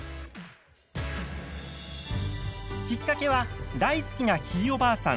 きっかけは大好きなひいおばあさん